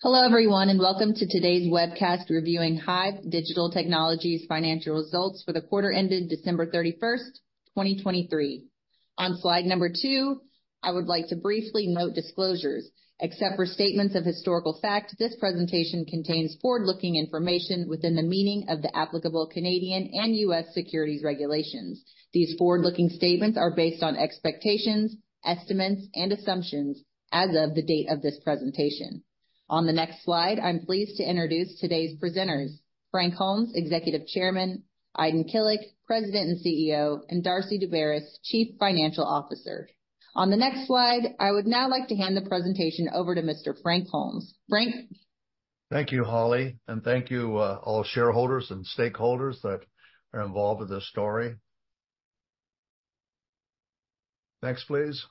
Hello everyone and welcome to today's webcast reviewing HIVE Digital Technologies financial results for the quarter ended December 31, 2023. On slide number two, I would like to briefly note disclosures. Except for statements of historical fact, this presentation contains forward-looking information within the meaning of the applicable Canadian and U.S. securities regulations. These forward-looking statements are based on expectations, estimates, and assumptions as of the date of this presentation. On the next slide, I'm pleased to introduce today's presenters: Frank Holmes, Executive Chairman; Aydin Kilic, President and CEO; and Darcy Daubaras, Chief Financial Officer. On the next slide, I would now like to hand the presentation over to Mr. Frank Holmes. Frank. Thank you, Holly, and thank you, all shareholders and stakeholders that are involved with this story. Next, please.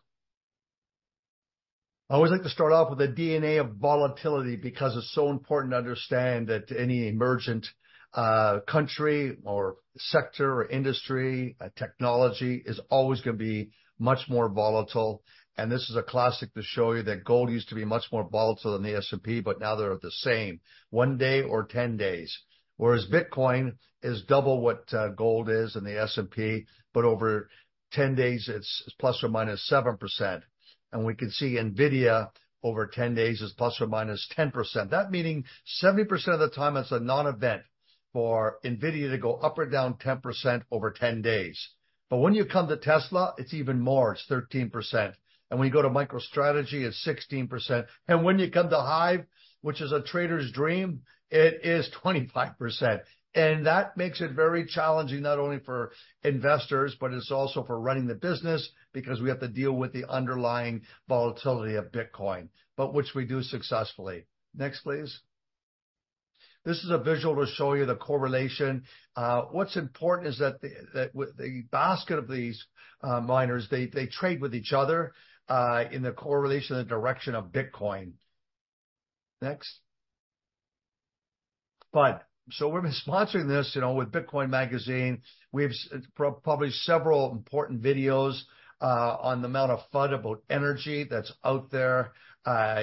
I always like to start off with the DNA of volatility because it's so important to understand that any emergent, country or sector or industry, technology is always going to be much more volatile. And this is a classic to show you that gold used to be much more volatile than the S&P, but now they're the same, one day or 10 days. Whereas Bitcoin is double what, gold is in the S&P, but over 10 days it's, it's ±7%. And we can see NVIDIA over 10 days is ±10%, that meaning 70% of the time it's a non-event for NVIDIA to go up or down 10% over 10 days. But when you come to Tesla, it's even more, it's 13%. When you go to MicroStrategy, it's 16%. And when you come to HIVE, which is a trader's dream, it is 25%. And that makes it very challenging not only for investors, but it's also for running the business because we have to deal with the underlying volatility of Bitcoin, but which we do successfully. Next, please. This is a visual to show you the correlation. What's important is that with the basket of these miners, they trade with each other in the correlation of the direction of Bitcoin. Next. FUD. So we've been sponsoring this, you know, with Bitcoin Magazine. We've produced several important videos on the amount of FUD about energy that's out there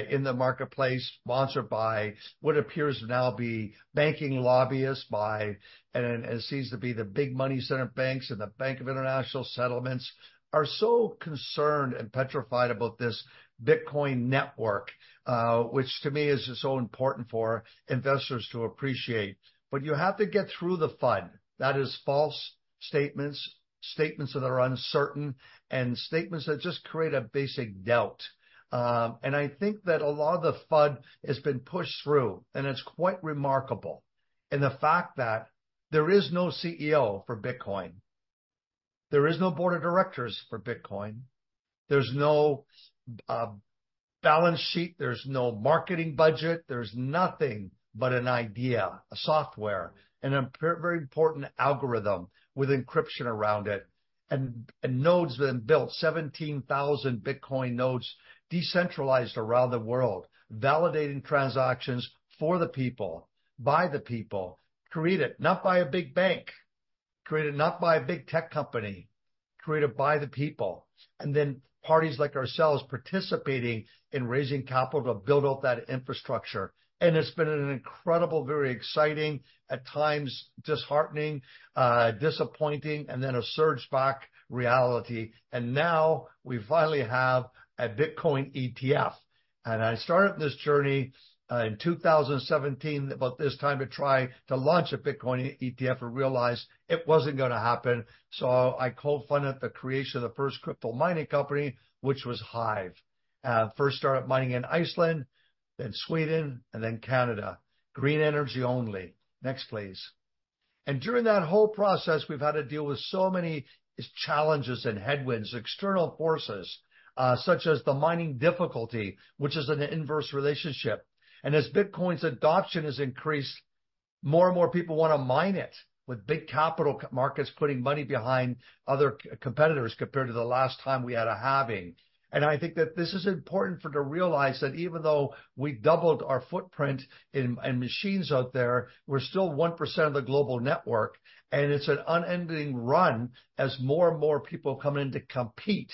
in the marketplace, sponsored by what appears to now be banking lobbyists, and it seems to be the big money center banks and the Bank for International Settlements are so concerned and petrified about this Bitcoin network, which to me is so important for investors to appreciate. But you have to get through the FUD. That is false statements, statements that are uncertain, and statements that just create a basic doubt. And I think that a lot of the FUD has been pushed through, and it's quite remarkable in the fact that there is no CEO for Bitcoin. There is no board of directors for Bitcoin. There's no balance sheet. There's no marketing budget. There's nothing but an idea, a software, and a very important algorithm with encryption around it. And nodes have been built, 17,000 Bitcoin nodes decentralized around the world, validating transactions for the people, by the people, created not by a big bank, created not by a big tech company, created by the people, and then parties like ourselves participating in raising capital to build out that infrastructure. And it's been an incredible, very exciting, at times disheartening, disappointing, and then a surge-back reality. And now we finally have a Bitcoin ETF. And I started this journey, in 2017, about this time, to try to launch a Bitcoin ETF and realize it wasn't going to happen. So I co-funded the creation of the first crypto mining company, which was HIVE, first started mining in Iceland, then Sweden, and then Canada, green energy only. Next, please. During that whole process, we've had to deal with so many challenges and headwinds, external forces, such as the mining difficulty, which is an inverse relationship. As Bitcoin's adoption has increased, more and more people want to mine it, with big capital markets putting money behind other competitors compared to the last time we had a halving. I think that this is important for to realize that even though we doubled our footprint in machines out there, we're still 1% of the global network, and it's an unending run as more and more people come in to compete.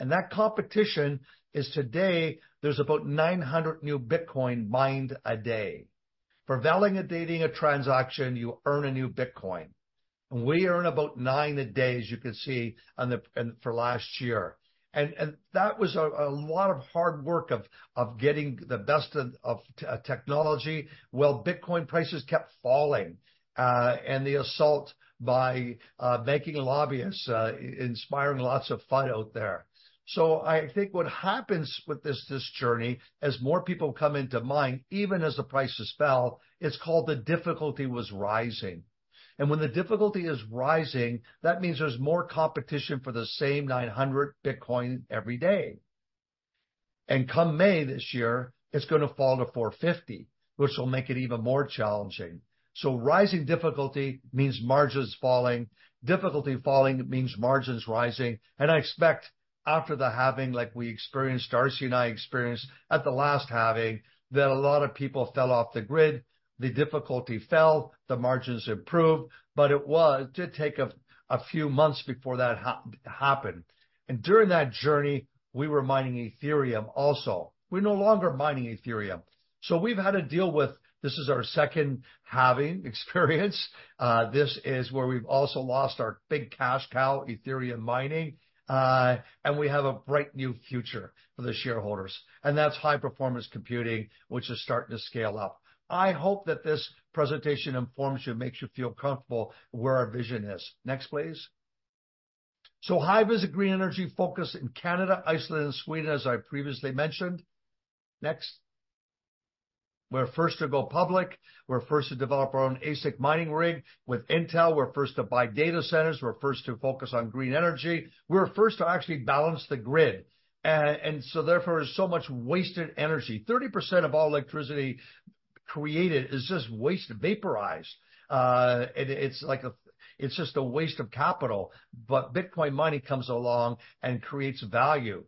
That competition is today there's about 900 new Bitcoin mined a day. For validating a transaction, you earn a new Bitcoin. We earn about nine a day, as you can see, on the for last year. And that was a lot of hard work of getting the best of technology. Well, Bitcoin prices kept falling, and the assault by banking lobbyists inspiring lots of FUD out there. So I think what happens with this journey, as more people come in to mine, even as the prices fell, it's called the difficulty was rising. And when the difficulty is rising, that means there's more competition for the same 900 Bitcoin every day. And come May this year, it's going to fall to 450, which will make it even more challenging. So rising difficulty means margins falling. Difficulty falling means margins rising. And I expect after the halving, like we experienced, Darcy and I experienced at the last halving, that a lot of people fell off the grid. The difficulty fell. The margins improved. But it did take a few months before that happened. And during that journey, we were mining Ethereum also. We're no longer mining Ethereum. So we've had to deal with this is our second halving experience. This is where we've also lost our big cash cow, Ethereum mining. We have a bright new future for the shareholders. That's high-performance computing, which is starting to scale up. I hope that this presentation informs you, makes you feel comfortable where our vision is. Next, please. HIVE is a green energy focus in Canada, Iceland, and Sweden, as I previously mentioned. Next. We're first to go public. We're first to develop our own ASIC mining rig with Intel. We're first to buy data centers. We're first to focus on green energy. We're first to actually balance the grid. And so therefore there's so much wasted energy. 30% of all electricity created is just wasted, vaporized. It's like a it's just a waste of capital. But Bitcoin mining comes along and creates value.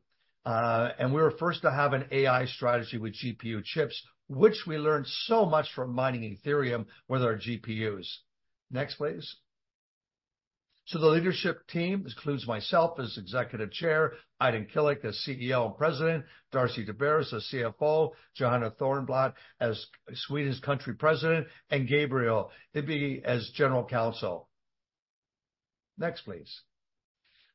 We were first to have an AI strategy with GPU chips, which we learned so much from mining Ethereum with our GPUs. Next, please. So the leadership team, this includes myself as Executive Chair, Aydin Kilic as CEO and President, Darcy Daubaras as CFO, Johanna Thörnblad as Sweden's Country President, and Gabriel Ibghy as General Counsel. Next, please.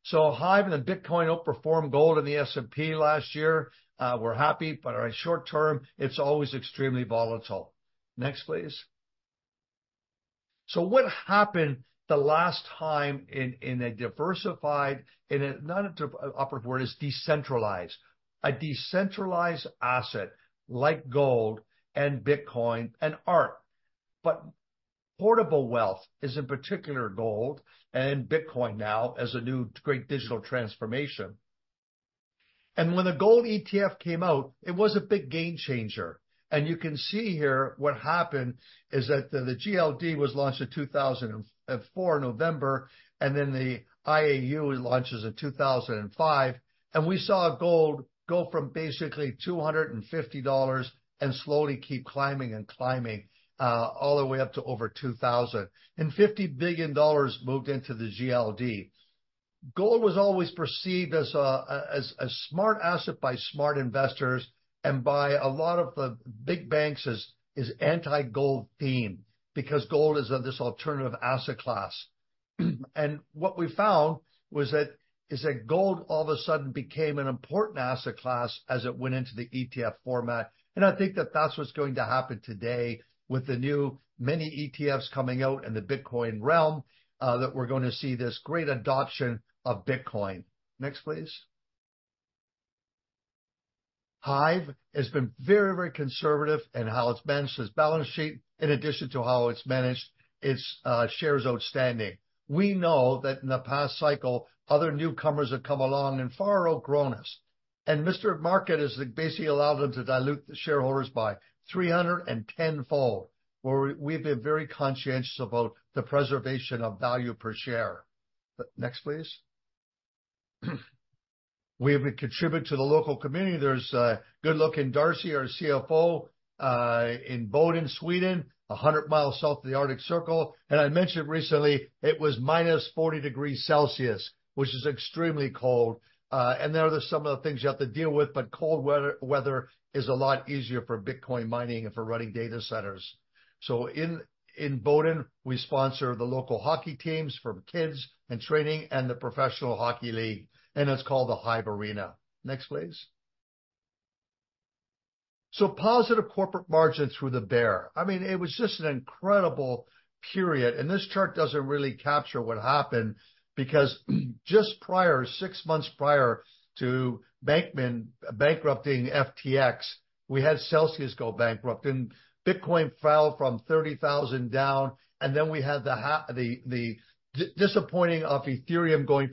So HIVE and the Bitcoin outperformed gold in the S&P last year. We're happy, but in short term, it's always extremely volatile. Next, please. So what happened the last time in a diversified, in a not an operative word, it's decentralized, a decentralized asset like gold and Bitcoin and art. But portable wealth is in particular gold and Bitcoin now as a new great digital transformation. When the gold ETF came out, it was a big game changer. You can see here what happened is that the GLD was launched in November 2004, and then the IAU launches in 2005. We saw gold go from basically $250 and slowly keep climbing and climbing, all the way up to over $2,000, and $50 billion moved into the GLD. Gold was always perceived as a smart asset by smart investors and by a lot of the big banks as is anti-gold themed because gold is a this alternative asset class. What we found was that gold all of a sudden became an important asset class as it went into the ETF format. I think that that's what's going to happen today with the new many ETFs coming out in the Bitcoin realm, that we're going to see this great adoption of Bitcoin. Next, please. HIVE has been very, very conservative in how it's managed its balance sheet. In addition to how it's managed, its shares outstanding. We know that in the past cycle, other newcomers have come along and far outgrown us. And Mr. Market has basically allowed them to dilute the shareholders by 310-fold, where we've been very conscientious about the preservation of value per share. Next, please. We have contributed to the local community. There's a good look in Darcy, our CFO, in Boden, Sweden, 100 miles south of the Arctic Circle. And I mentioned recently it was -40 degrees Celsius, which is extremely cold. And there are some of the things you have to deal with, but cold weather is a lot easier for Bitcoin mining and for running data centers. So in Boden, we sponsor the local hockey teams for kids and training and the professional hockey league, and it's called the HIVE Arena. Next, please. So positive corporate margin through the bear. I mean, it was just an incredible period. And this chart doesn't really capture what happened because just prior, six months prior to Bankman bankrupting FTX, we had Celsius go bankrupt and Bitcoin fell from 30,000 down. And then we had the disappointing of Ethereum going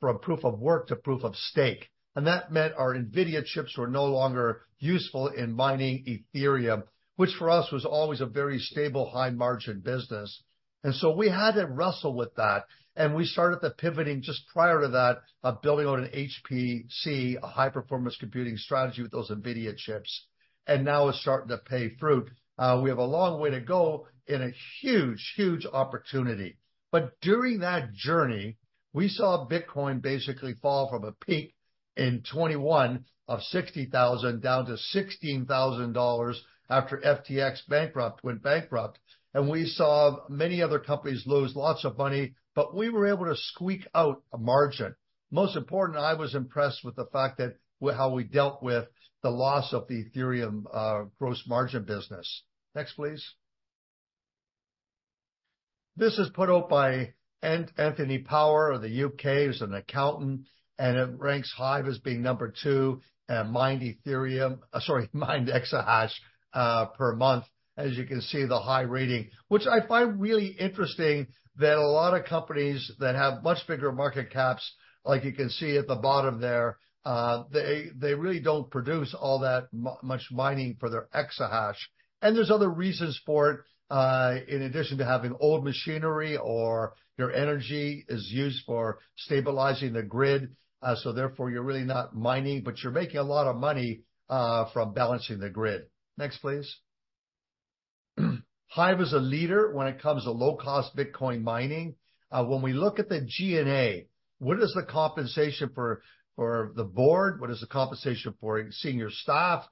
from Proof of Work to Proof of Stake. And that meant our NVIDIA chips were no longer useful in mining Ethereum, which for us was always a very stable, high-margin business. And so we had to wrestle with that. And we started the pivoting just prior to that of building out an HPC, a high-performance computing strategy with those NVIDIA chips. And now it's starting to bear fruit. We have a long way to go in a huge, huge opportunity. But during that journey, we saw Bitcoin basically fall from a peak in 2021 of $60,000 down to $16,000 after FTX went bankrupt. And we saw many other companies lose lots of money, but we were able to squeak out a margin. Most important, I was impressed with the fact that how we dealt with the loss of the Ethereum gross margin business. Next, please. This is put out by Anthony Power of the U.K. He's an accountant, and it ranks HIVE as being number two at mine Ethereum, sorry, mine exahash, per month. As you can see, the high rating, which I find really interesting that a lot of companies that have much bigger market caps, like you can see at the bottom there, they they really don't produce all that much mining for their EH/s. And there's other reasons for it, in addition to having old machinery or your energy is used for stabilizing the grid. So therefore you're really not mining, but you're making a lot of money from balancing the grid. Next, please. HIVE is a leader when it comes to low-cost Bitcoin mining. When we look at the G&A, what is the compensation for for the board? What is the compensation for senior staff?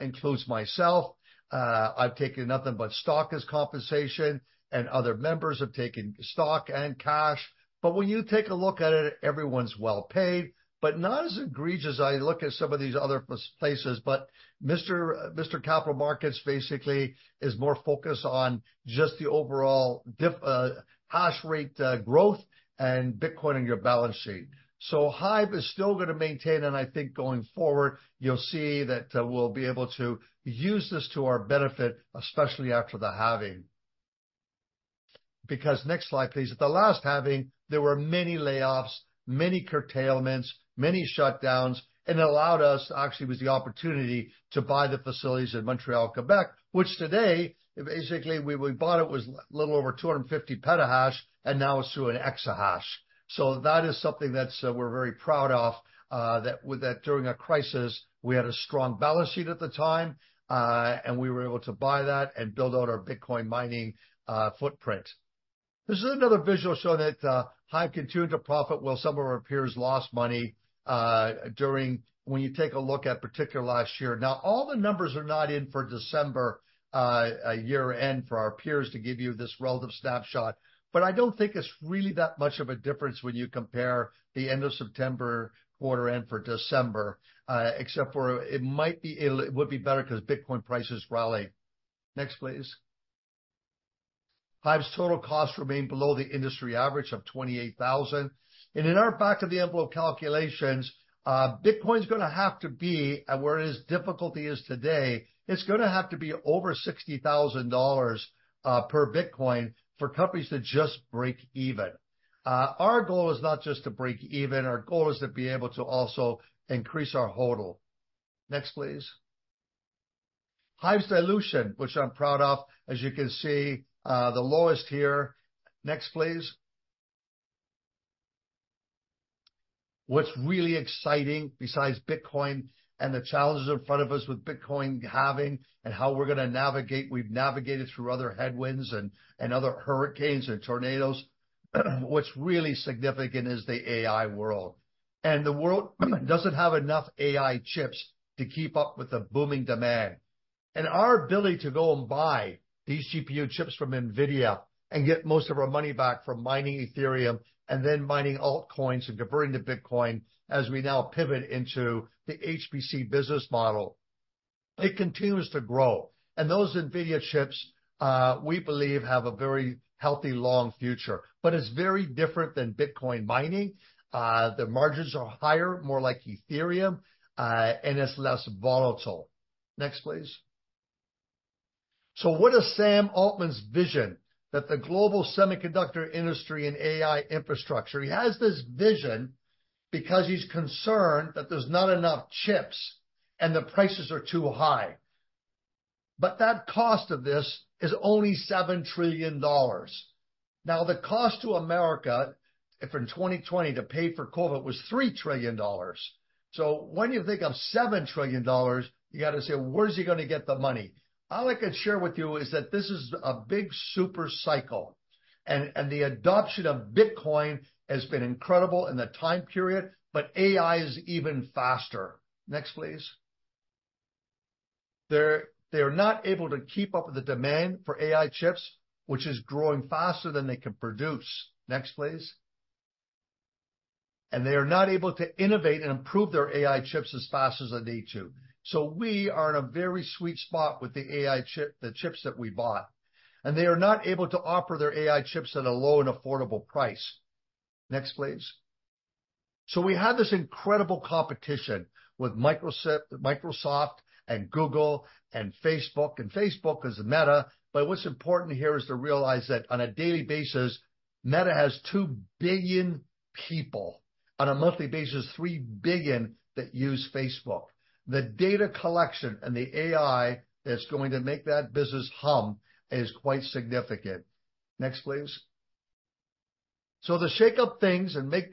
Includes myself. I've taken nothing but stock as compensation, and other members have taken stock and cash. But when you take a look at it, everyone's well paid, but not as egregious as I look at some of these other places. But Mr. Mr. Capital Markets basically is more focused on just the overall hash rate, growth and Bitcoin on your balance sheet. So HIVE is still going to maintain, and I think going forward, you'll see that we'll be able to use this to our benefit, especially after the halving. Because next slide, please. At the last halving, there were many layoffs, many curtailments, many shutdowns, and it allowed us to actually was the opportunity to buy the facilities in Montreal, Quebec, which today basically we bought it was a little over 250 Petahash, and now it's through an exahash. So that is something that's what we're very proud of, that during a crisis, we had a strong balance sheet at the time, and we were able to buy that and build out our Bitcoin mining footprint. This is another visual showing that HIVE continued to profit while some of our peers lost money during when you take a look at particularly last year. Now, all the numbers are not in for December, year-end for our peers to give you this relative snapshot. But I don't think it's really that much of a difference when you compare the end of September quarter end for December, except for it might be it would be better because Bitcoin prices rally. Next, please. HIVE's total cost remained below the industry average of $28,000. In our back-of-the-envelope calculations, Bitcoin's going to have to be at where its difficulty is today. It's going to have to be over $60,000 per Bitcoin for companies to just break even. Our goal is not just to break even. Our goal is to be able to also increase our hold. Next, please. HIVE's dilution, which I'm proud of, as you can see, the lowest here. Next, please. What's really exciting besides Bitcoin and the challenges in front of us with Bitcoin halving and how we're going to navigate. We've navigated through other headwinds and other hurricanes and tornadoes. What's really significant is the AI world. The world doesn't have enough AI chips to keep up with the booming demand. And our ability to go and buy these GPU chips from NVIDIA and get most of our money back from mining Ethereum and then mining altcoins and converting to Bitcoin as we now pivot into the HPC business model. It continues to grow. And those NVIDIA chips, we believe have a very healthy, long future, but it's very different than Bitcoin mining. The margins are higher, more like Ethereum, and it's less volatile. Next, please. So what is Sam Altman's vision that the global semiconductor industry and AI infrastructure he has this vision because he's concerned that there's not enough chips and the prices are too high. But that cost of this is only $7 trillion. Now, the cost to America if in 2020 to pay for COVID was $3 trillion. So when you think of $7 trillion, you got to say, where's he going to get the money? All I could share with you is that this is a big super cycle. And the adoption of Bitcoin has been incredible in the time period, but AI is even faster. Next, please. They're not able to keep up with the demand for AI chips, which is growing faster than they can produce. Next, please. And they are not able to innovate and improve their AI chips as fast as they need to. So we are in a very sweet spot with the AI chip the chips that we bought. And they are not able to offer their AI chips at a low and affordable price. Next, please. So we have this incredible competition with Microsoft and Google and Facebook and Facebook as Meta. But what's important here is to realize that on a daily basis, Meta has two billion people. On a monthly basis, three billion that use Facebook. The data collection and the AI that's going to make that business hum is quite significant. Next, please. So to shake up things and make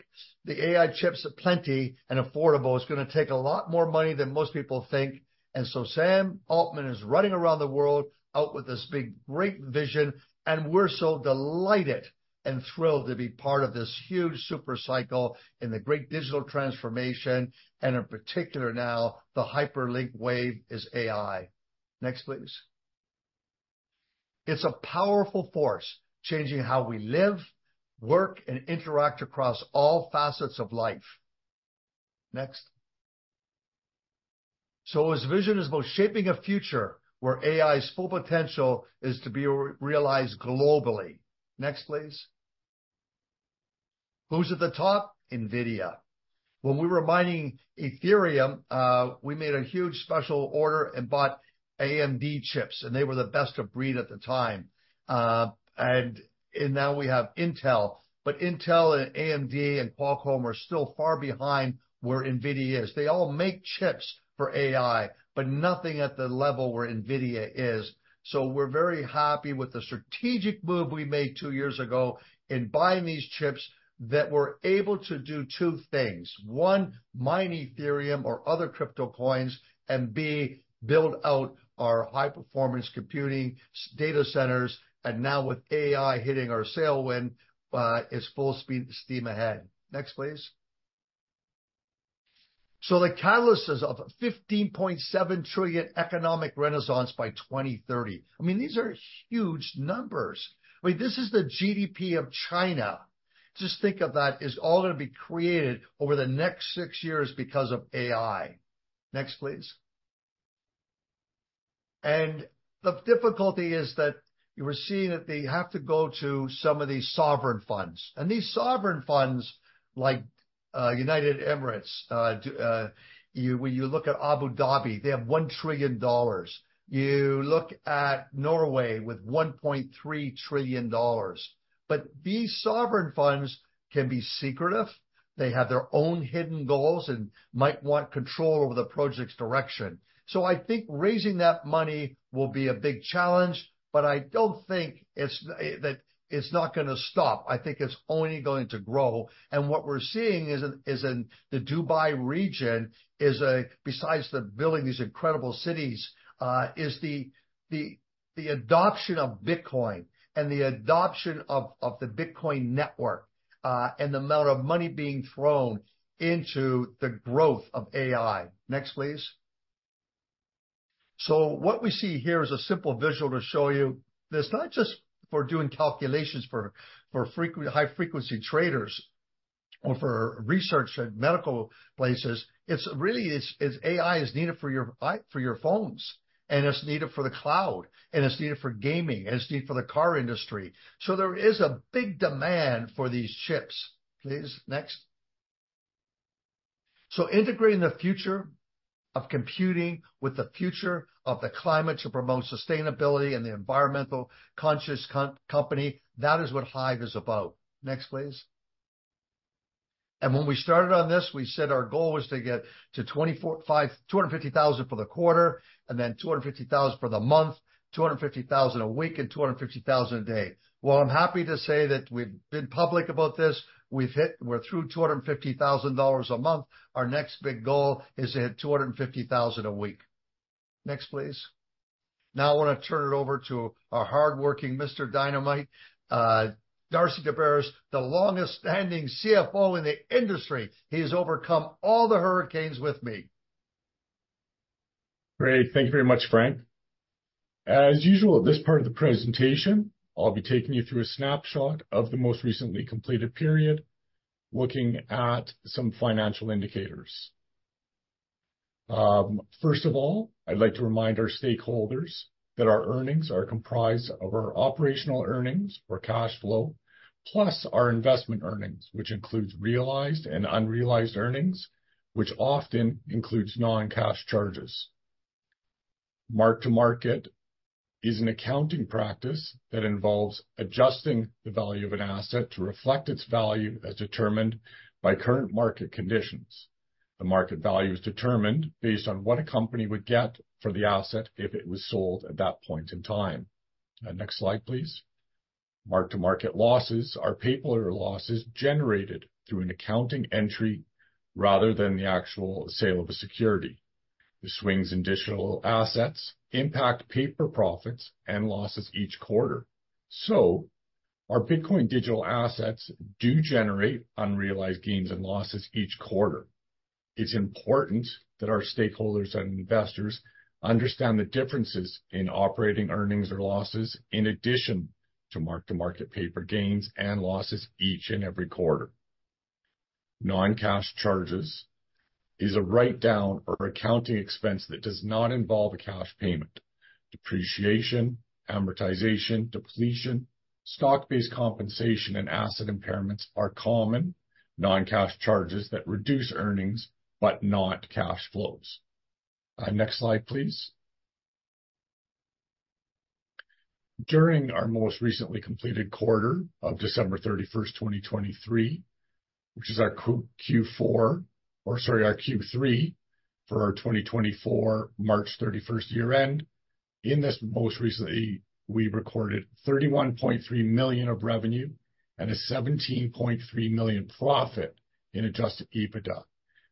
the AI chips plenty and affordable is going to take a lot more money than most people think. And so Sam Altman is running around the world out with this big great vision, and we're so delighted and thrilled to be part of this huge super cycle in the great digital transformation. And in particular now, the hyperlink wave is AI. Next, please. It's a powerful force changing how we live, work, and interact across all facets of life. Next. So his vision is about shaping a future where AI's full potential is to be realized globally. Next, please. Who's at the top? NVIDIA. When we were mining Ethereum, we made a huge special order and bought AMD chips, and they were the best of breed at the time. And now we have Intel. But Intel and AMD and Qualcomm are still far behind where NVIDIA is. They all make chips for AI, but nothing at the level where NVIDIA is. So we're very happy with the strategic move we made two years ago in buying these chips that were able to do two things. One, mine Ethereum or other crypto coins, and B, build out our high-performance computing data centers. And now with AI hitting our tailwind, it's full speed steam ahead. Next, please. So the catalyst is of a $15.7 trillion economic renaissance by 2030. I mean, these are huge numbers. I mean, this is the GDP of China. Just think of that. It is all going to be created over the next six years because of AI. Next, please. The difficulty is that you were seeing that they have to go to some of these sovereign funds. These sovereign funds, like United Arab Emirates, when you look at Abu Dhabi, they have $1 trillion. You look at Norway with $1.3 trillion. But these sovereign funds can be secretive. They have their own hidden goals and might want control over the project's direction. So I think raising that money will be a big challenge, but I don't think it's that it's not going to stop. I think it's only going to grow. What we're seeing is in the Dubai region is a besides the building these incredible cities, is the adoption of Bitcoin and the adoption of the Bitcoin network, and the amount of money being thrown into the growth of AI. Next, please. What we see here is a simple visual to show you. It's not just for doing calculations for high-frequency traders or for research at medical places. It's really it's AI is needed for your AI for your phones, and it's needed for the cloud, and it's needed for gaming, and it's needed for the car industry. So there is a big demand for these chips. Please. Next. Integrating the future of computing with the future of the climate to promote sustainability and the environmental conscious company, that is what HIVE is about. Next, please. When we started on this, we said our goal was to get to $250,000 for the quarter and then $250,000 for the month, $250,000 a week, and $250,000 a day. Well, I'm happy to say that we've been public about this. We've hit we're through $250,000 a month. Our next big goal is to hit $250,000 a week. Next, please. Now I want to turn it over to our hardworking Mr. Dynamite, Darcy Daubaras, the longest-standing CFO in the industry. He has overcome all the hurricanes with me. Great. Thank you very much, Frank. As usual, at this part of the presentation, I'll be taking you through a snapshot of the most recently completed period, looking at some financial indicators. First of all, I'd like to remind our stakeholders that our earnings are comprised of our operational earnings or cash flow, plus our investment earnings, which includes realized and unrealized earnings, which often includes non-cash charges. Mark-to-Market is an accounting practice that involves adjusting the value of an asset to reflect its value as determined by current market conditions. The market value is determined based on what a company would get for the asset if it was sold at that point in time. Next slide, please. Mark-to-Market losses are paper losses generated through an accounting entry rather than the actual sale of a security. The swings in digital assets impact paper profits and losses each quarter. So our Bitcoin digital assets do generate unrealized gains and losses each quarter. It's important that our stakeholders and investors understand the differences in operating earnings or losses in addition to mark-to-market paper gains and losses each and every quarter. Non-cash charges is a write-down or accounting expense that does not involve a cash payment. Depreciation, amortization, depletion, stock-based compensation, and asset impairments are common non-cash charges that reduce earnings but not cash flows. Next slide, please. During our most recently completed quarter of December 31st, 2023, which is our Q4 or sorry, our Q3 for our 2024 March 31st year-end, in this most recently we recorded $31.3 million of revenue and a $17.3 million profit in Adjusted EBITDA.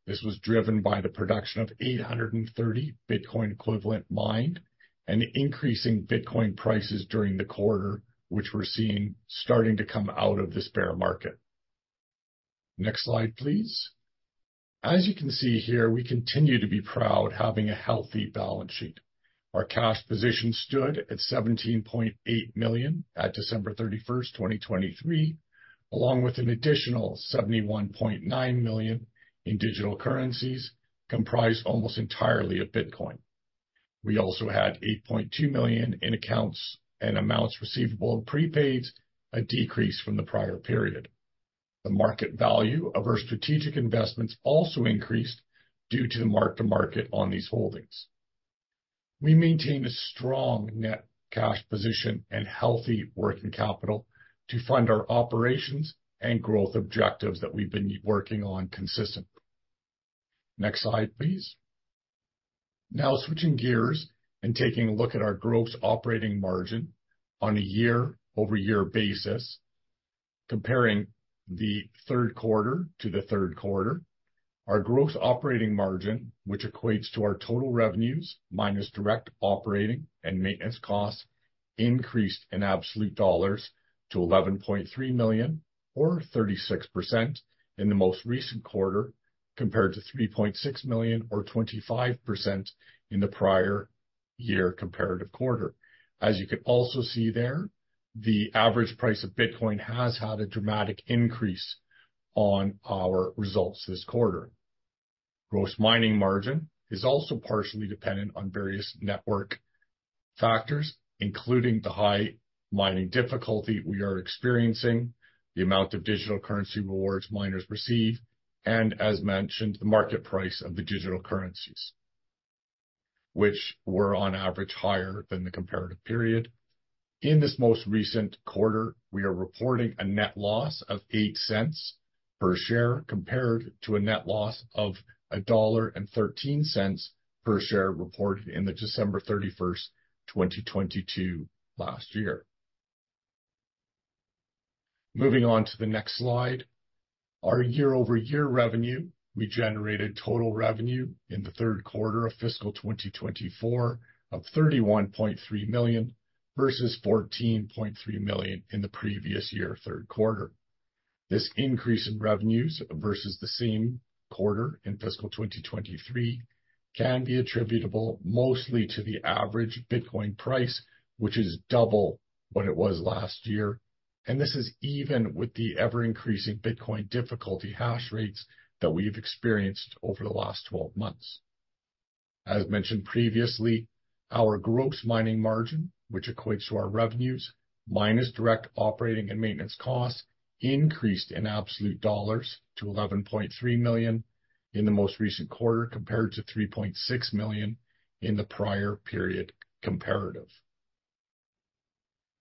This was driven by the production of 830 Bitcoin equivalent mined and increasing Bitcoin prices during the quarter, which we're seeing starting to come out of this bear market. Next slide, please. As you can see here, we continue to be proud having a healthy balance sheet. Our cash position stood at $17.8 million at December 31st, 2023, along with an additional $71.9 million in digital currencies comprised almost entirely of Bitcoin. We also had $8.2 million in accounts and amounts receivable and prepaids, a decrease from the prior period. The market value of our strategic investments also increased due to the Mark-to-Market on these holdings. We maintain a strong net cash position and healthy working capital to fund our operations and growth objectives that we've been working on consistently. Next slide, please. Now switching gears and taking a look at our gross operating margin on a year-over-year basis, comparing the third quarter to the third quarter, our gross operating margin, which equates to our total revenues minus direct operating and maintenance costs, increased in absolute dollars to $11.3 million or 36% in the most recent quarter compared to $3.6 million or 25% in the prior year comparative quarter. As you can also see there, the average price of Bitcoin has had a dramatic increase on our results this quarter. Gross mining margin is also partially dependent on various network factors, including the high mining difficulty we are experiencing, the amount of digital currency rewards miners receive, and as mentioned, the market price of the digital currencies, which were on average higher than the comparative period. In this most recent quarter, we are reporting a net loss of $0.08 per share compared to a net loss of $1.13 per share reported in the December 31st, 2022, last year. Moving on to the next slide. Our year-over-year revenue, we generated total revenue in the third quarter of fiscal 2024 of $31.3 million versus $14.3 million in the previous year third quarter. This increase in revenues versus the same quarter in fiscal 2023 can be attributable mostly to the average Bitcoin price, which is double what it was last year. And this is even with the ever-increasing Bitcoin difficulty hash rates that we've experienced over the last 12 months. As mentioned previously, our gross mining margin, which equates to our revenues minus direct operating and maintenance costs, increased in absolute dollars to $11.3 million in the most recent quarter compared to $3.6 million in the prior period comparative.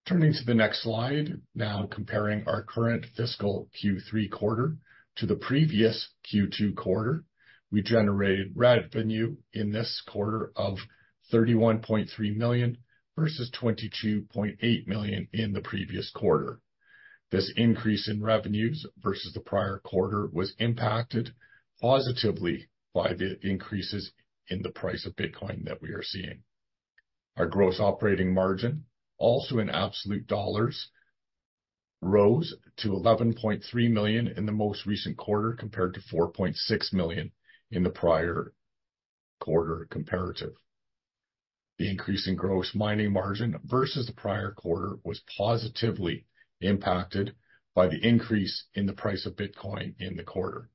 Turning to the next slide, now comparing our current fiscal Q3 quarter to the previous Q2 quarter, we generated revenue in this quarter of $31.3 million versus $22.8 million in the previous quarter. This increase in revenues versus the prior quarter was impacted positively by the increases in the price of Bitcoin that we are seeing. Our gross operating margin, also in absolute dollars, rose to $11.3 million in the most recent quarter compared to $4.6 million in the prior quarter comparative. The increase in gross mining margin versus the prior quarter was positively impacted by the increase in the price of Bitcoin in the quarter.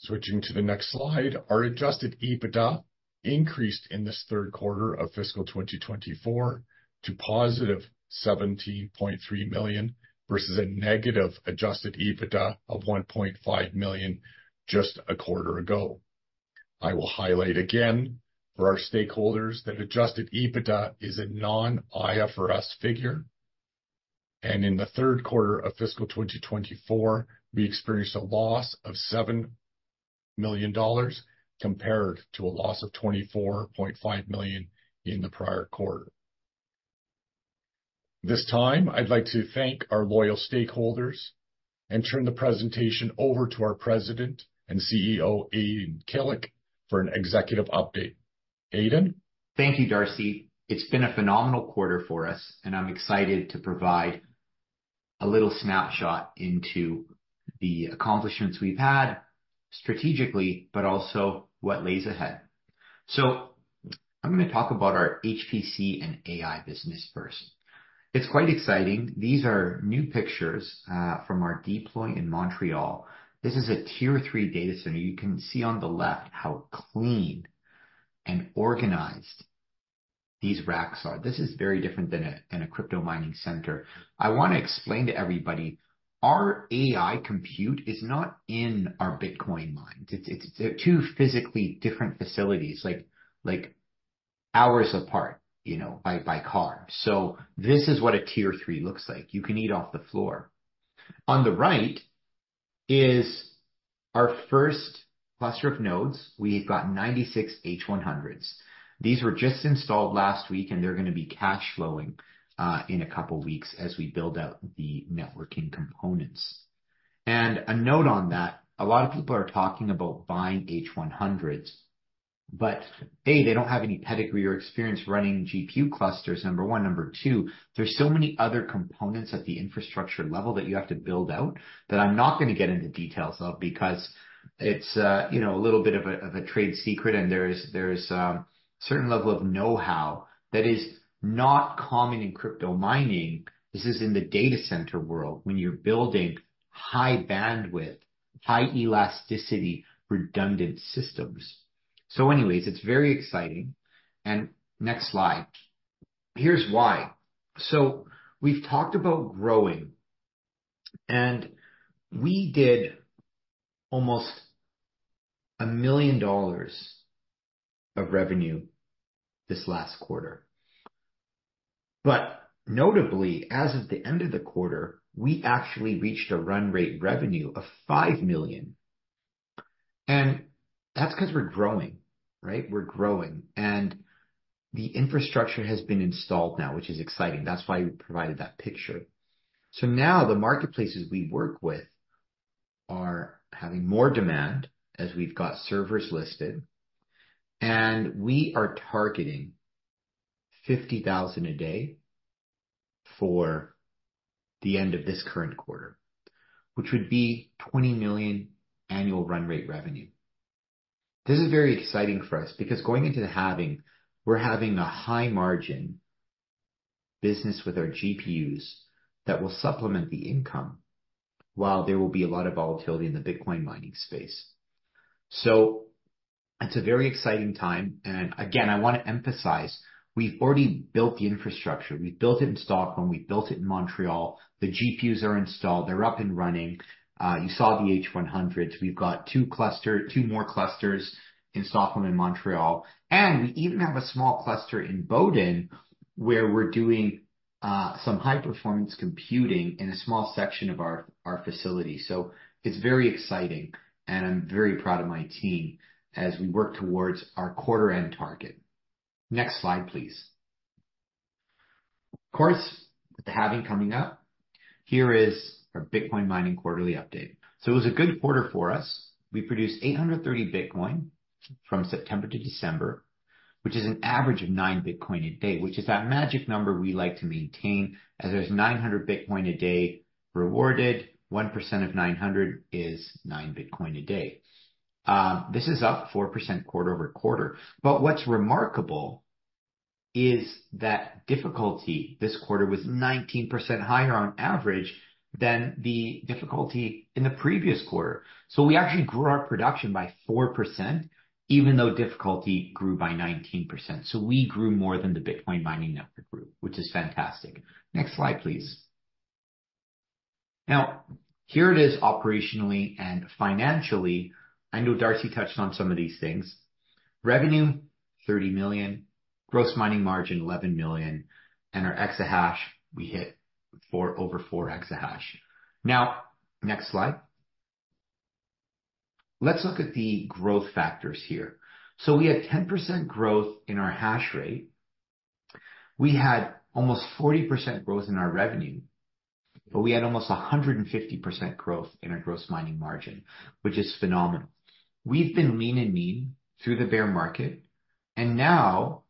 Switching to the next slide, our Adjusted EBITDA increased in this third quarter of fiscal 2024 to positive $17.3 million versus a negative Adjusted EBITDA of $1.5 million just a quarter ago. I will highlight again for our stakeholders that Adjusted EBITDA is a non-IFRS figure. In the third quarter of fiscal 2024, we experienced a loss of $7 million compared to a loss of $24.5 million in the prior quarter. This time, I'd like to thank our loyal stakeholders and turn the presentation over to our President and Chief Executive Officer, Aydin Kilic, for an executive update. Aydin. Thank you, Darcy. It's been a phenomenal quarter for us, and I'm excited to provide a little snapshot into the accomplishments we've had strategically, but also what lays ahead. So I'm going to talk about our HPC and AI business first. It's quite exciting. These are new pictures from our deploy in Montreal. This is a Tier 3 data center. You can see on the left how clean and organized these racks are. This is very different than a crypto mining center. I want to explain to everybody, our AI compute is not in our Bitcoin mines. It's two physically different facilities like hours apart, you know, by car. So this is what a Tier 3 looks like. You can eat off the floor. On the right is our first cluster of nodes. We've got 96 H100s. These were just installed last week, and they're going to be cash flowing in a couple of weeks as we build out the networking components. And a note on that, a lot of people are talking about buying H100s, but A, they don't have any pedigree or experience running GPU clusters, number one. Number two, there's so many other components at the infrastructure level that you have to build out that I'm not going to get into details of because it's, you know, a little bit of a trade secret, and there's a certain level of know-how that is not common in crypto mining. This is in the data center world when you're building high bandwidth, high elasticity, redundant systems. So anyways, it's very exciting. And next slide. Here's why. So we've talked about growing, and we did almost $1 million of revenue this last quarter. But notably, as of the end of the quarter, we actually reached a run rate revenue of $5 million. And that's because we're growing, right? We're growing. And the infrastructure has been installed now, which is exciting. That's why we provided that picture. So now the marketplaces we work with are having more demand as we've got servers listed. We are targeting 50,000 a day for the end of this current quarter, which would be $20 million annual run rate revenue. This is very exciting for us because going into the halving, we're having a high margin business with our GPUs that will supplement the income while there will be a lot of volatility in the Bitcoin mining space. So it's a very exciting time. And again, I want to emphasize, we've already built the infrastructure. We've built it in Stockholm. We've built it in Montreal. The GPUs are installed. They're up and running. You saw the H100s. We've got two more clusters in Stockholm and Montreal. And we even have a small cluster in Boden where we're doing some high-performance computing in a small section of our facility. So it's very exciting, and I'm very proud of my team as we work towards our quarter-end target. Next slide, please. Of course, with the halving coming up, here is our Bitcoin mining quarterly update. So it was a good quarter for us. We produced 830 Bitcoin from September to December, which is an average of 9 Bitcoin a day, which is that magic number we like to maintain as there's 900 Bitcoin a day rewarded. 1% of 900 is 9 Bitcoin a day. This is up 4% quarter-over-quarter. But what's remarkable is that difficulty this quarter was 19% higher on average than the difficulty in the previous quarter. So we actually grew our production by 4%, even though difficulty grew by 19%. So we grew more than the Bitcoin mining network grew, which is fantastic. Next slide, please. Now, here it is operationally and financially. I know Darcy touched on some of these things. Revenue $30 million, gross mining margin $11 million, and our exahash, we hit over 4 exahash. Now, next slide. Let's look at the growth factors here. So we had 10% growth in our hash rate. We had almost 40% growth in our revenue, but we had almost 150% growth in our gross mining margin, which is phenomenal. We've been lean and mean through the bear market. And now,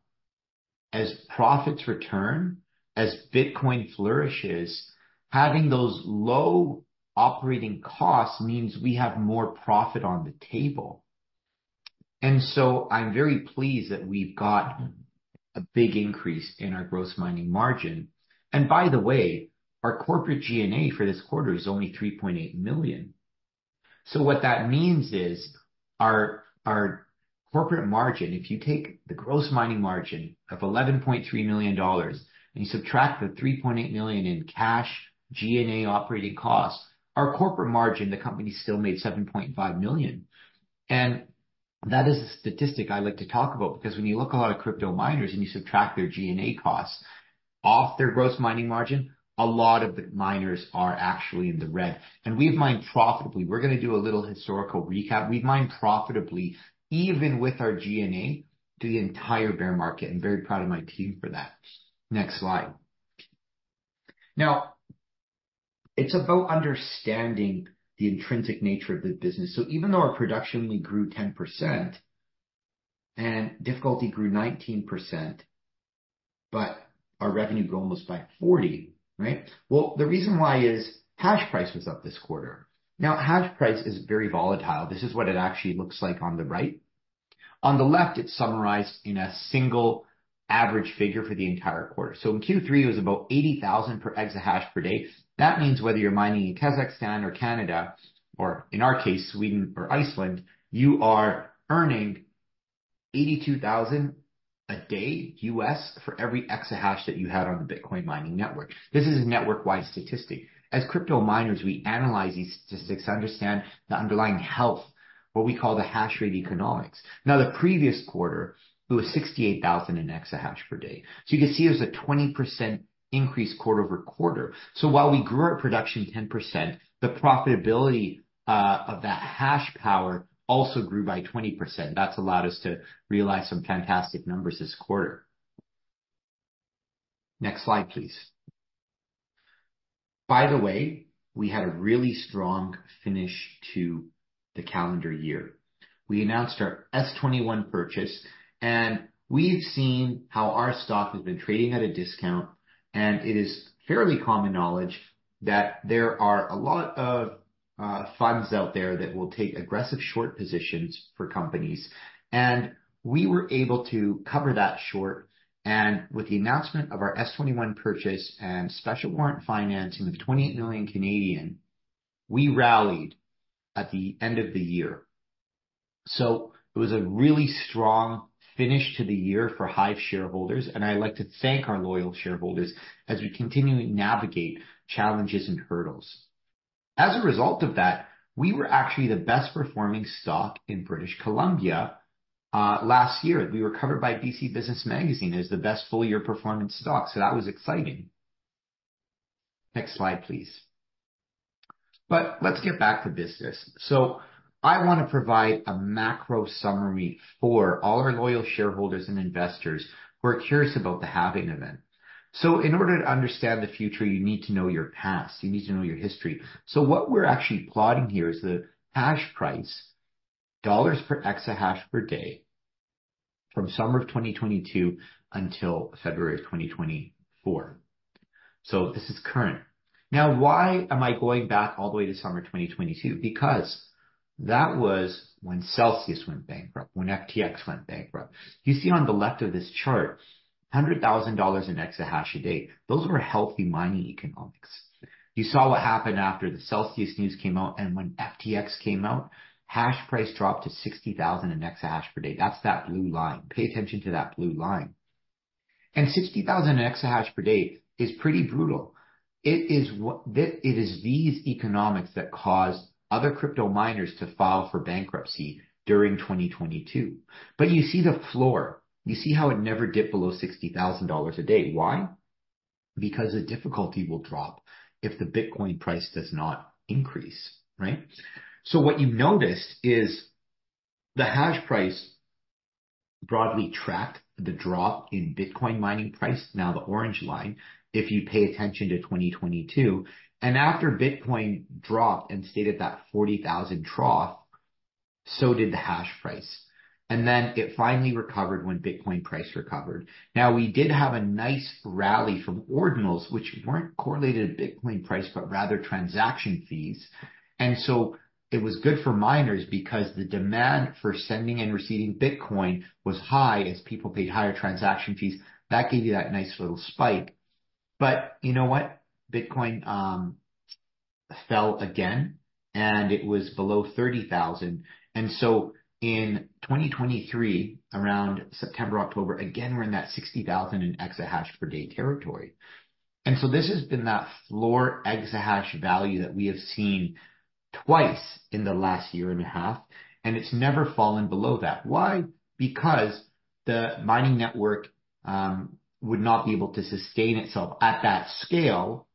as profits return, as Bitcoin flourishes, having those low operating costs means we have more profit on the table. And so I'm very pleased that we've got a big increase in our gross mining margin. And by the way, our corporate G&A for this quarter is only $3.8 million. So what that means is our corporate margin, if you take the gross mining margin of $11.3 million and you subtract the $3.8 million in cash G&A operating costs, our corporate margin, the company still made $7.5 million. And that is a statistic I like to talk about because when you look at a lot of crypto miners and you subtract their G&A costs off their gross mining margin, a lot of the miners are actually in the red. And we've mined profitably. We're going to do a little historical recap. We've mined profitably, even with our G&A, through the entire bear market. I'm very proud of my team for that. Next slide. Now, it's about understanding the intrinsic nature of the business. So even though our production grew 10% and difficulty grew 19%, but our revenue grew almost by 40%, right? Well, the reason why is hash price was up this quarter. Now, hash price is very volatile. This is what it actually looks like on the right. On the left, it's summarized in a single average figure for the entire quarter. So in Q3, it was about $80,000 per exahash per day. That means whether you're mining in Kazakhstan or Canada or, in our case, Sweden or Iceland, you are earning $82,000 a day for every exahash that you had on the Bitcoin mining network. This is a network-wide statistic. As crypto miners, we analyze these statistics to understand the underlying health, what we call the hash rate economics. Now, the previous quarter, it was $68,000 per exahash per day. So you can see it was a 20% increase quarter-over-quarter. So while we grew our production 10%, the profitability of that hash power also grew by 20%. That's allowed us to realize some fantastic numbers this quarter. Next slide, please. By the way, we had a really strong finish to the calendar year. We announced our S21 purchase, and we've seen how our stock has been trading at a discount. And it is fairly common knowledge that there are a lot of funds out there that will take aggressive short positions for companies. And we were able to cover that short. And with the announcement of our S21 purchase and special warrant financing of 28 million, we rallied at the end of the year. So it was a really strong finish to the year for HIVE shareholders. And I like to thank our loyal shareholders as we continue to navigate challenges and hurdles. As a result of that, we were actually the best performing stock in British Columbia last year. We were covered by BC Business Magazine as the best full year performance stock. So that was exciting. Next slide, please. But let's get back to business. So I want to provide a macro summary for all our loyal shareholders and investors who are curious about the halving event. So in order to understand the future, you need to know your past. You need to know your history. So what we're actually plotting here is the hash price, dollars per exahash per day from summer of 2022 until February of 2024. So this is current. Now, why am I going back all the way to summer 2022? Because that was when Celsius went bankrupt, when FTX went bankrupt. You see on the left of this chart, $100,000 in exahash a day. Those were healthy mining economics. You saw what happened after the Celsius news came out. When FTX came out, hash price dropped to $60,000 per exahash per day. That's that blue line. Pay attention to that blue line. $60,000 per exahash per day is pretty brutal. It is these economics that caused other crypto miners to file for bankruptcy during 2022. You see the floor. You see how it never dipped below $60,000 a day. Why? Because the difficulty will drop if the Bitcoin price does not increase, right? What you noticed is the hash price broadly tracked the drop in Bitcoin mining price, now the orange line, if you pay attention to 2022. After Bitcoin dropped and stayed at that $40,000 trough, so did the hash price. Then it finally recovered when Bitcoin price recovered. Now, we did have a nice rally from Ordinals, which weren't correlated to Bitcoin price, but rather transaction fees. And so it was good for miners because the demand for sending and receiving Bitcoin was high as people paid higher transaction fees. That gave you that nice little spike. But you know what? Bitcoin fell again, and it was below 30,000. And so in 2023, around September, October, again, we're in that 60,000 in exahash per day territory. And so this has been that floor exahash value that we have seen twice in the last year and a half. And it's never fallen below that. Why? Because the mining network would not be able to sustain itself at that scale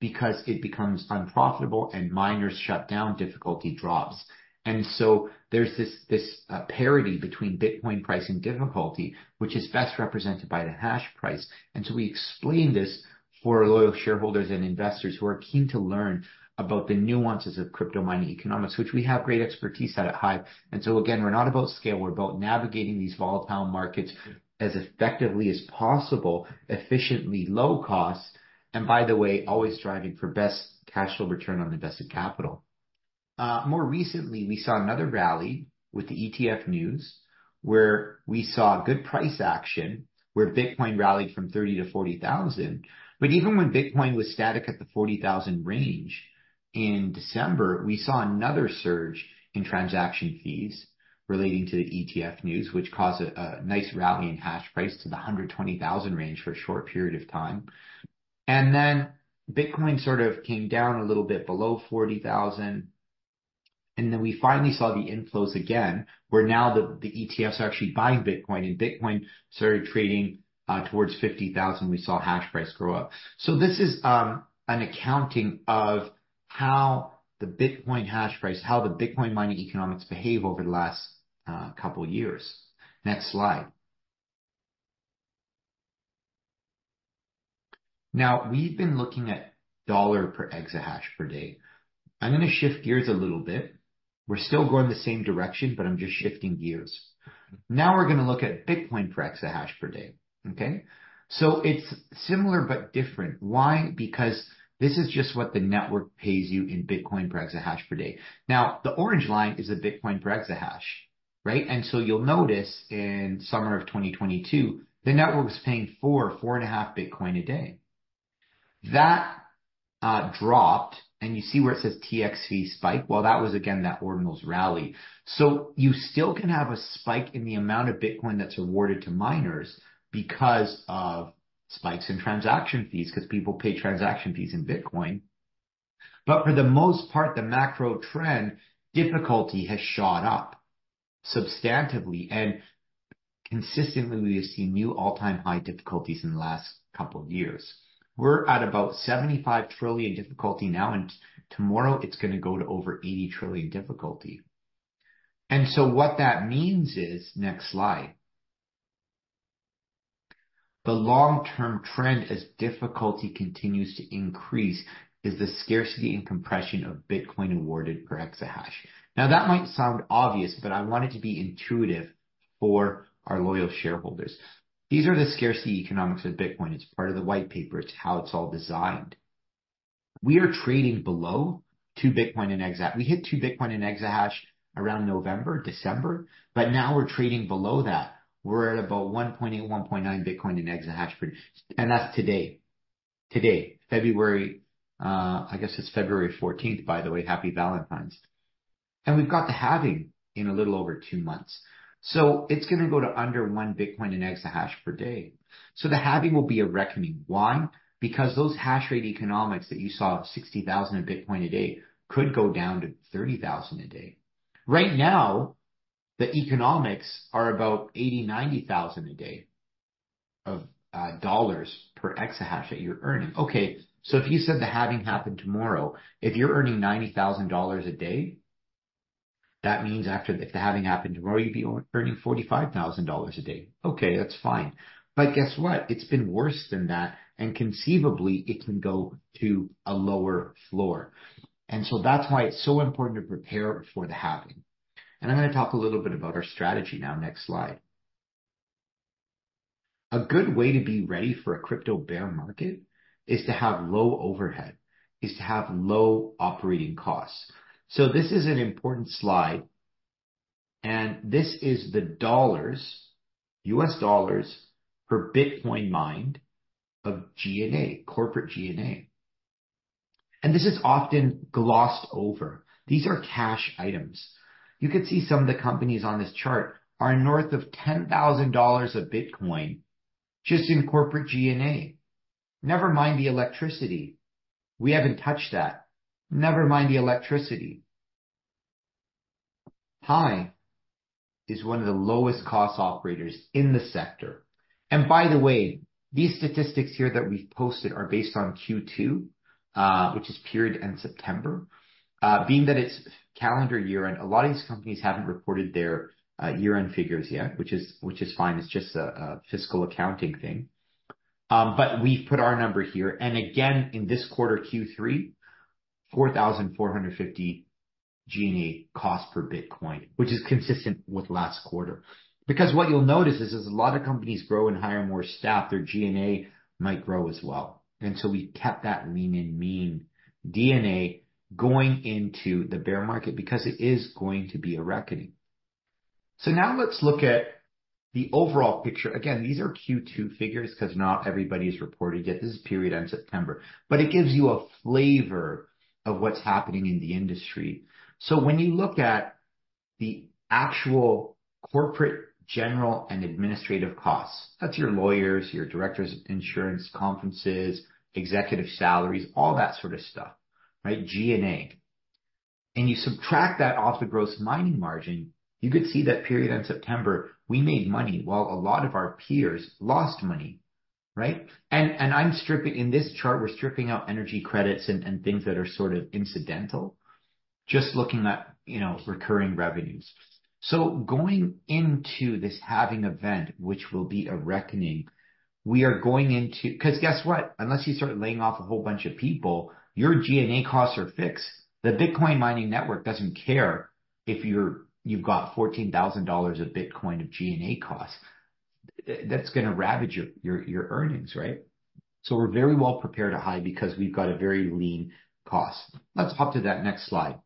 because it becomes unprofitable, and miners shut down, difficulty drops. And so there's this parity between Bitcoin price and difficulty, which is best represented by the hash price. We explain this for loyal shareholders and investors who are keen to learn about the nuances of crypto mining economics, which we have great expertise at HIVE. Again, we're not about scale. We're about navigating these volatile markets as effectively as possible, efficiently, low cost, and by the way, always driving for best cash flow return on invested capital. More recently, we saw another rally with the ETF news where we saw good price action where Bitcoin rallied from $30,000 to $40,000. But even when Bitcoin was static at the $40,000 range in December, we saw another surge in transaction fees relating to the ETF news, which caused a nice rally in hash price to the $120,000 range for a short period of time. And then Bitcoin sort of came down a little bit below $40,000. And then we finally saw the inflows again where now the ETFs are actually buying Bitcoin, and Bitcoin started trading towards 50,000. We saw hash price grow up. So this is an accounting of how the Bitcoin hash price, how the Bitcoin mining economics behave over the last couple of years. Next slide. Now, we've been looking at dollar per exahash per day. I'm going to shift gears a little bit. We're still going the same direction, but I'm just shifting gears. Now we're going to look at Bitcoin per exahash per day, okay? So it's similar but different. Why? Because this is just what the network pays you in Bitcoin per exahash per day. Now, the orange line is the Bitcoin per exahash, right? And so you'll notice in summer of 2022, the network was paying 4, 4.5 Bitcoin a day. That dropped, and you see where it says TSX-V spike. Well, that was again that Ordinals rally. So you still can have a spike in the amount of Bitcoin that's awarded to miners because of spikes in transaction fees because people pay transaction fees in Bitcoin. But for the most part, the macro trend, difficulty has shot up substantively. And consistently, we have seen new all-time high difficulties in the last couple of years. We're at about 75 trillion difficulty now. And tomorrow, it's going to go to over 80 trillion difficulty. And so what that means is next slide. The long-term trend as difficulty continues to increase is the scarcity and compression of Bitcoin awarded per exahash. Now, that might sound obvious, but I want it to be intuitive for our loyal shareholders. These are the scarcity economics of Bitcoin. It's part of the white paper. It's how it's all designed. We are trading below two Bitcoin in exahash. We hit two Bitcoin in exahash around November, December. But now we're trading below that. We're at about 1.8-1.9 Bitcoin in exahash per day. And that's today, today, February. I guess it's February 14th, by the way. Happy Valentine's. And we've got the halving in a little over two months. So it's going to go to under one Bitcoin in exahash per day. So the halving will be a reckoning. Why? Because those hash rate economics that you saw, $60,000 in Bitcoin a day, could go down to $30,000 a day. Right now, the economics are about $80,000-$90,000 a day of dollars per exahash that you're earning. Okay. So if you said the halving happened tomorrow, if you're earning $90,000 a day, that means if the halving happened tomorrow, you'd be earning $45,000 a day. Okay. That's fine. But guess what? It's been worse than that. And conceivably, it can go to a lower floor. And so that's why it's so important to prepare for the halving. And I'm going to talk a little bit about our strategy now. Next slide. A good way to be ready for a crypto bear market is to have low overhead, is to have low operating costs. So this is an important slide. And this is the dollars, US dollars per Bitcoin mined of G&A, corporate G&A. And this is often glossed over. These are cash items. You can see some of the companies on this chart are north of $10,000 of Bitcoin just in corporate G&A. Never mind the electricity. We haven't touched that. Never mind the electricity. HIVE is one of the lowest cost operators in the sector. By the way, these statistics here that we've posted are based on Q2, which is period end September, being that it's calendar year. A lot of these companies haven't reported their year-end figures yet, which is fine. It's just a fiscal accounting thing. But we've put our number here. And again, in this quarter, Q3, $4,450 G&A cost per Bitcoin, which is consistent with last quarter. Because what you'll notice is as a lot of companies grow and hire more staff, their G&A might grow as well. And so we kept that lean and mean DNA going into the bear market because it is going to be a reckoning. So now let's look at the overall picture. Again, these are Q2 figures because not everybody has reported yet. This is period end September. But it gives you a flavor of what's happening in the industry. So when you look at the actual corporate general and administrative costs, that's your lawyers, your directors' insurance, conferences, executive salaries, all that sort of stuff, right, G&A. And you subtract that off the gross mining margin, you could see that period end September, we made money while a lot of our peers lost money, right? And I'm stripping in this chart, we're stripping out energy credits and things that are sort of incidental, just looking at recurring revenues. So going into this halving event, which will be a reckoning, we are going into because guess what? Unless you start laying off a whole bunch of people, your G&A costs are fixed. The Bitcoin mining network doesn't care if you've got $14,000 of Bitcoin of G&A costs. That's going to ravage your earnings, right? So we're very well prepared at HIVE because we've got a very lean cost. Let's hop to that next slide.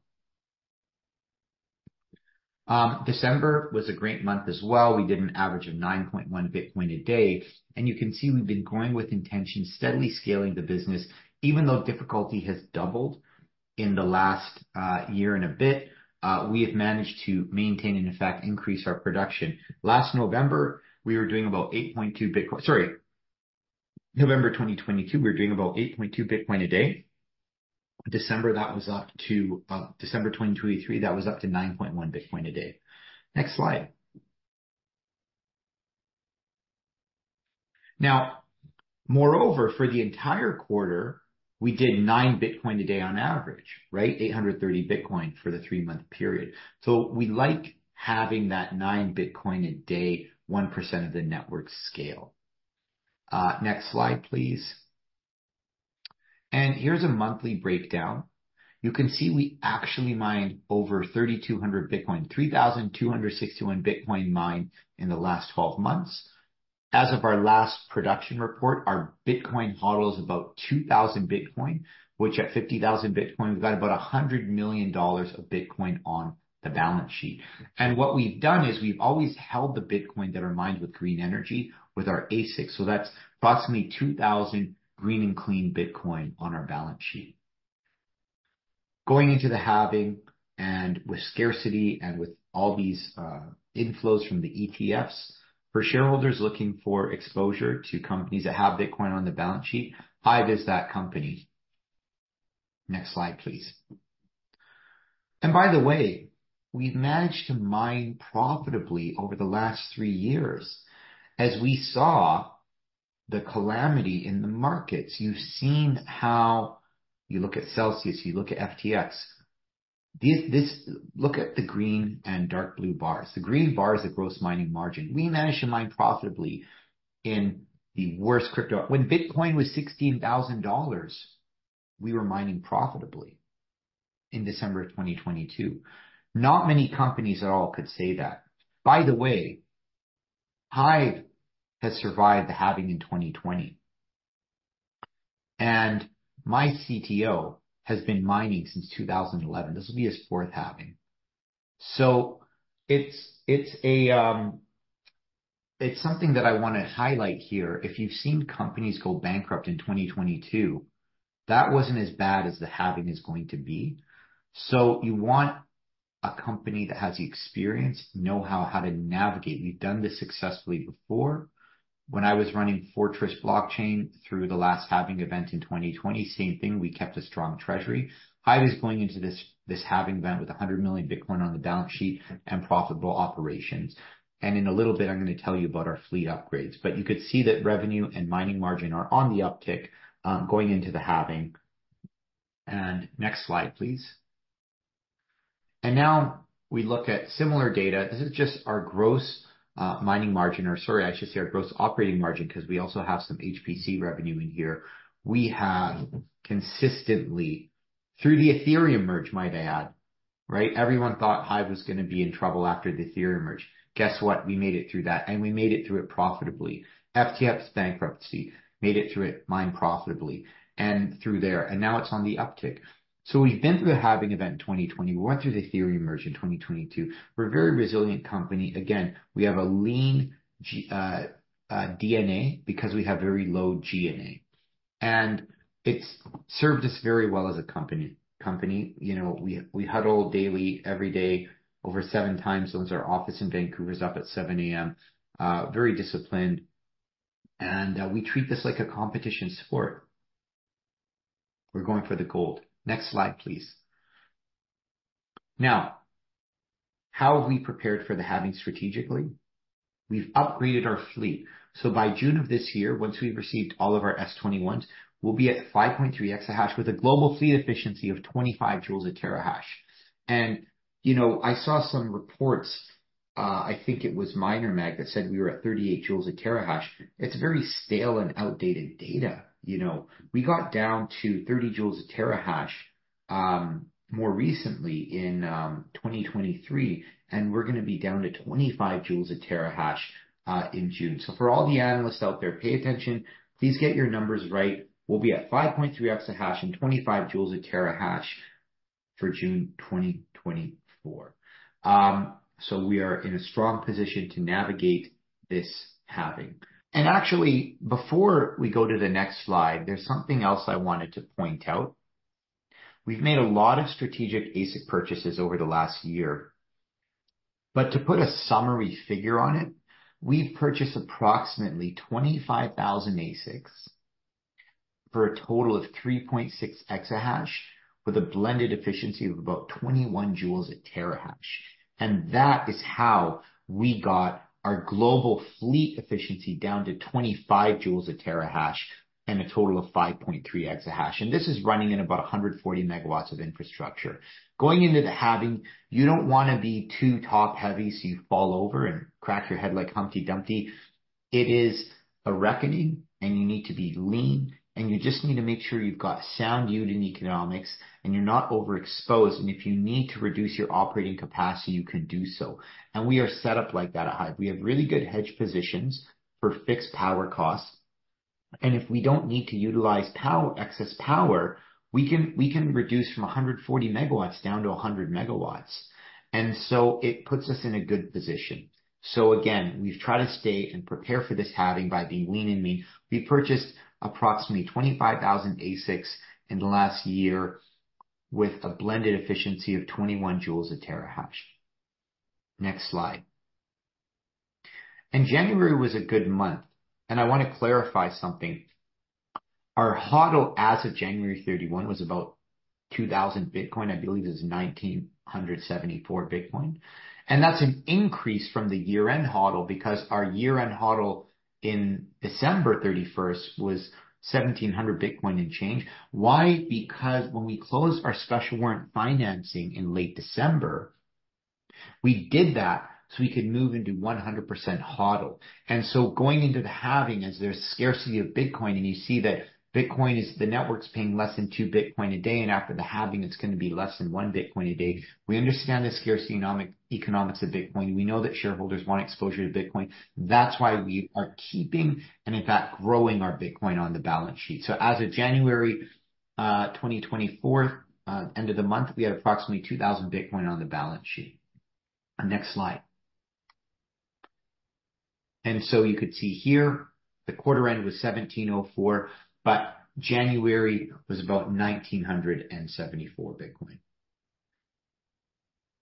December was a great month as well. We did an average of 9.1 Bitcoin a day. And you can see we've been going with intention, steadily scaling the business. Even though difficulty has doubled in the last year and a bit, we have managed to maintain and, in fact, increase our production. Last November, we were doing about 8.2 Bitcoin sorry. November 2022, we were doing about 8.2 Bitcoin a day. December, that was up to December 2023, that was up to 9.1 Bitcoin a day. Next slide. Now, moreover, for the entire quarter, we did 9 Bitcoin a day on average, right, 830 Bitcoin for the three-month period. So we like having that 9 Bitcoin a day, 1% of the network scale. Next slide, please. And here's a monthly breakdown. You can see we actually mined over 3,200 Bitcoin, 3,261 Bitcoin mined in the last 12 months. As of our last production report, our Bitcoin HODL is about 2,000 Bitcoin, which at 50,000 Bitcoin, we've got about $100 million of Bitcoin on the balance sheet. And what we've done is we've always held the Bitcoin that are mined with green energy with our ASIC. So that's approximately 2,000 green and clean Bitcoin on our balance sheet. Going into the halving and with scarcity and with all these inflows from the ETFs, for shareholders looking for exposure to companies that have Bitcoin on the balance sheet, HIVE is that company. Next slide, please. And by the way, we've managed to mine profitably over the last three years. As we saw the calamity in the markets, you've seen how you look at Celsius, you look at FTX. Look at the green and dark blue bars. The green bar is the gross mining margin. We managed to mine profitably in the worst crypto. When Bitcoin was $16,000, we were mining profitably in December of 2022. Not many companies at all could say that. By the way, HIVE has survived the halving in 2020. My CTO has been mining since 2011. This will be his fourth halving. It's something that I want to highlight here. If you've seen companies go bankrupt in 2022, that wasn't as bad as the halving is going to be. You want a company that has the experience, know-how to navigate. We've done this successfully before. When I was running Fortress Blockchain through the last halving event in 2020, same thing. We kept a strong treasury. HIVE is going into this halving event with 100 million Bitcoin on the balance sheet and profitable operations. In a little bit, I'm going to tell you about our fleet upgrades. You could see that revenue and mining margin are on the uptick going into the halving. Next slide, please. Now we look at similar data. This is just our gross mining margin or sorry, I should say our gross operating margin because we also have some HPC revenue in here. We have consistently through the Ethereum Merge, might I add, right? Everyone thought HIVE was going to be in trouble after the Ethereum Merge. Guess what? We made it through that. We made it through it profitably. FTX bankruptcy made it through it, mine profitably and through there. Now it's on the uptick. We've been through the halving event in 2020. We went through the Ethereum Merge in 2022. We're a very resilient company. Again, we have a lean DNA because we have very low G&A. And it's served us very well as a company. We huddle daily, every day over seven times. So when our office in Vancouver is up at 7:00 A.M., very disciplined. And we treat this like a competition sport. We're going for the gold. Next slide, please. Now, how have we prepared for the halving strategically? We've upgraded our fleet. So by June of this year, once we've received all of our S21s, we'll be at 5.3 exahash with a global fleet efficiency of 25 joules per terahash. And I saw some reports, I think it was MinerMag, that said we were at 38 joules per terahash. It's very stale and outdated data. We got down to 30 joules per terahash more recently in 2023. We're going to be down to 25 joules per terahash in June. So for all the analysts out there, pay attention. Please get your numbers right. We'll be at 5.3 exahash and 25 joules per terahash for June 2024. We are in a strong position to navigate this halving. And actually, before we go to the next slide, there's something else I wanted to point out. We've made a lot of strategic ASIC purchases over the last year. But to put a summary figure on it, we've purchased approximately 25,000 ASICs for a total of 3.6 exahash with a blended efficiency of about 21 joules per terahash. And that is how we got our global fleet efficiency down to 25 joules per terahash and a total of 5.3 exahash. And this is running in about 140 MW of infrastructure. Going into the halving, you don't want to be too top-heavy so you fall over and crack your head like Humpty Dumpty. It is a reckoning. You need to be lean. You just need to make sure you've got sound yield in economics and you're not overexposed. If you need to reduce your operating capacity, you can do so. We are set up like that at HIVE. We have really good hedge positions for fixed power costs. If we don't need to utilize power, excess power, we can reduce from 140 MW down to 100 MW. So it puts us in a good position. Again, we've tried to stay and prepare for this halving by being lean and mean. We purchased approximately 25,000 ASICs in the last year with a blended efficiency of 21 joules per terahash. Next slide. January was a good month. I want to clarify something. Our HODL as of January 31 was about 2,000 Bitcoin. I believe it was 1,974 Bitcoin. That's an increase from the year-end HODL because our year-end HODL in December 31st was 1,700 Bitcoin and change. Why? Because when we closed our special warrant financing in late December, we did that so we could move into 100% HODL. So going into the halving, as there's scarcity of Bitcoin and you see that Bitcoin is the network's paying less than 2 Bitcoin a day. After the halving, it's going to be less than 1 Bitcoin a day. We understand the scarce economics of Bitcoin. We know that shareholders want exposure to Bitcoin. That's why we are keeping and, in fact, growing our Bitcoin on the balance sheet. So as of January 2024, end of the month, we had approximately 2,000 Bitcoin on the balance sheet. Next slide. And so you could see here, the quarter end was 1,704. But January was about 1,974 Bitcoin.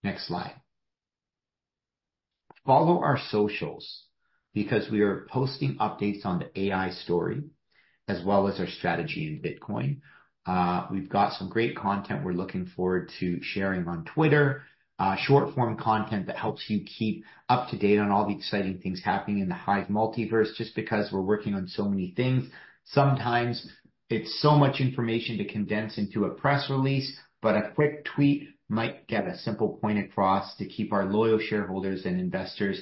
Next slide. Follow our socials because we are posting updates on the AI story as well as our strategy in Bitcoin. We've got some great content we're looking forward to sharing on Twitter, short-form content that helps you keep up to date on all the exciting things happening in the HIVE multiverse just because we're working on so many things. Sometimes it's so much information to condense into a press release, but a quick tweet might get a simple point across to keep our loyal shareholders and investors.